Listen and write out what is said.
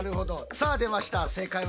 さあ出ました。